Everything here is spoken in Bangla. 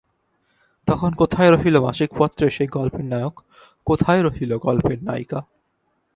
তখন কোথায় রহিল মাসিক পত্রের সেই গল্পের নায়ক, কোথায় রহিল গল্পের নায়িকা।